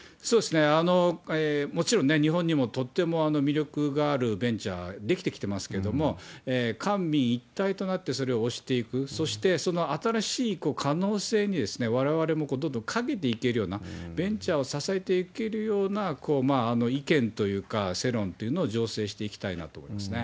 もちろん日本にもとっても魅力があるベンチャー、出来てきてますけれども、官民一体となってそれを推していく、そして、その新しい可能性にわれわれもどんどん懸けていけるような、ベンチャーを支えていけるような意見というか、世論っていうのを醸成していきたいなと思いますね。